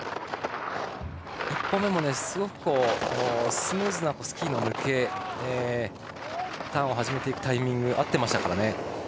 １本目も、すごくスムーズなスキーの抜けでターンを始めていくタイミング合ってましたからね。